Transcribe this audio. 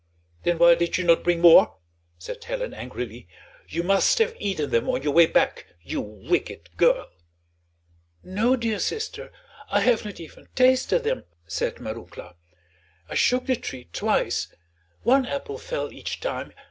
"Then why did you not bring more?" said Helen angrily; "you must have eaten them on your way back, you wicked girl." "No, dear sister, I have not even tasted them," said Marouckla. "I shook the tree twice; one apple fell each time.